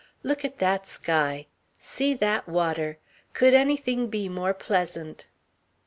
Look at that sky. See that water. Could anything be more pleasant?"